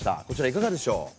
こちらいかがでしょう？